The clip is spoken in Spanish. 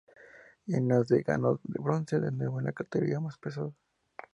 Y en las de ganó el bronce, de nuevo en la categoría más pesada.